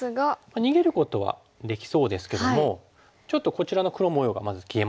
逃げることはできそうですけどもちょっとこちらの黒模様がまず消えますよね。